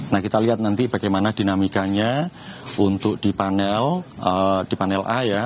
nah kita lihat nanti bagaimana dinamikanya untuk di panel di panel a ya